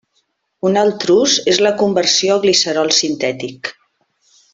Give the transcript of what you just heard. Un altre ús és la conversió a glicerol sintètic.